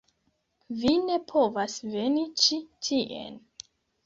Vi ne povas veni ĉi tien.